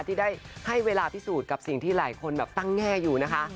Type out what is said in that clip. ที่ได้ให้เวลาพิสูจน์กับสิ่งที่หลายคนแบบตั้งแง่อยู่นะคะ